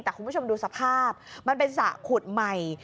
แต่คุณผู้ชมดูสภาพมันเป็นสระขุดใหม่